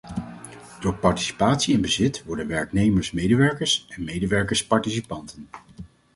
Door participatie en bezit worden werknemers medewerkers en medewerkers participanten.